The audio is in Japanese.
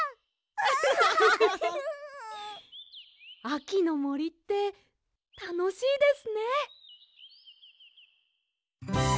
あきのもりってたのしいですね。